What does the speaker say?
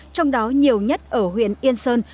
trong đó nhiều nhất ở huyện yên sơn